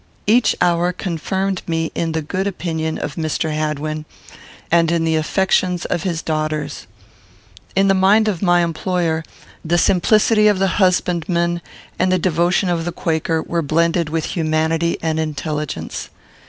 Each hour confirmed me in the good opinion of Mr. Hadwin, and in the affections of his daughters. In the mind of my employer, the simplicity of the husbandman and the devotion of the Quaker were blended with humanity and intelligence.